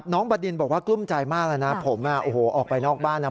บัดดินบอกว่ากลุ้มใจมากเลยนะผมออกไปนอกบ้านนะ